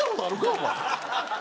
お前。